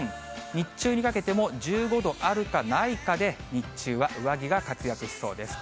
日中にかけても１５度あるかないかで、日中は上着が活躍しそうです。